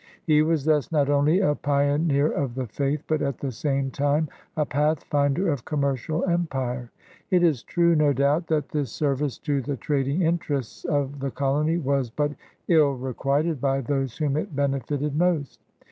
He was thus not only a pio neer of the faith but at the same time a pathfinder of commercial empire. It is true, no doubt, that this service to the trading interests of the colony was but ill requited by those whom it benefited most.